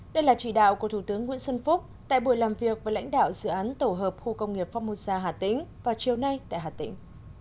đây là chỉ đạo của thủ tướng nguyễn xuân phúc tại buổi làm việc với lãnh đạo dự án tổ hợp khu công nghiệp phongmosa hà tĩnh vào chiều nay tại hà tĩnh